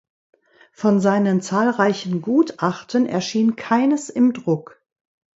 Von seinen zahlreichen Gutachten erschien keines im Druck.